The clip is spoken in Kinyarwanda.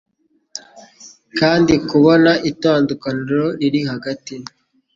kandi kubona itandukaniro riri hagati